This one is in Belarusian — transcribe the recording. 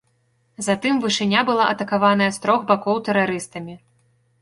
Затым вышыня была атакаваная з трох бакоў тэрарыстамі.